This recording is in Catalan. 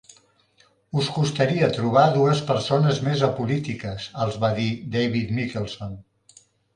"Us costaria trobar dues persones més apolítiques", els va dir David Mikkelson.